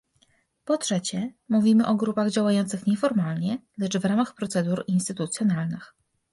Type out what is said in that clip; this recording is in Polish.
Po trzecie, mówimy o grupach działających nieformalnie, lecz w ramach procedur instytucjonalnych